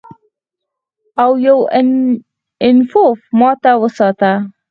او ايوانوف ماته وساته.